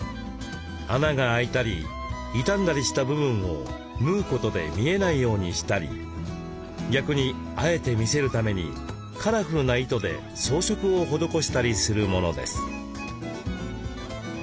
穴が開いたり傷んだりした部分を縫うことで見えないようにしたり逆にあえて見せるためにカラフルな糸で装飾を施したりするものです。